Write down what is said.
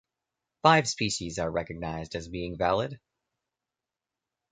Five species are recognized as being valid.